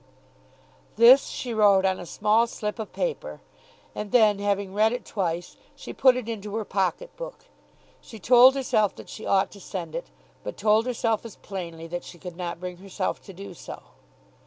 This she wrote on a small slip of paper, and then having read it twice, she put it into her pocket book. She told herself that she ought to send it; but told herself as plainly that she could not bring herself to do so.